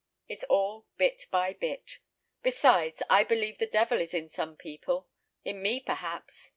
It's all bit by bit; besides, I believe the devil is in some people: in me, perhaps.